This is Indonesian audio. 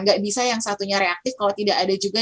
nggak bisa yang satunya reaktif kalau tidak ada juga